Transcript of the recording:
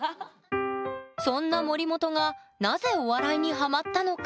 そんな森本がなぜお笑いにハマったのか？